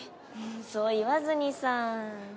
そう言わずにさ。